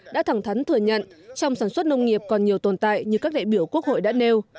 đã thẳng thắn thừa nhận trong sản xuất nông nghiệp còn nhiều tồn tại như các đại biểu quốc hội đã nêu